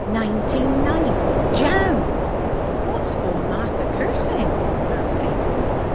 Nineteen nine! Jam!' 'What for's Martha cursing?' asked Hazel.